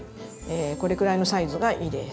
これくらいのサイズがいいです。